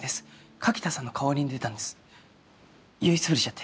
柿田さんの代わりに出たんです酔いつぶれちゃって。